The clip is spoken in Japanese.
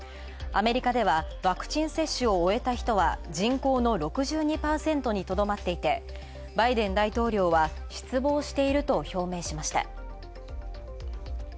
アメリカではワクチン接種を終えた人は人口の６２％にとどまっていてバイデン大統領は失望していると表明しました。